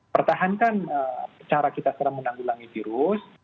pertahankan cara kita sekarang menanggulangi virus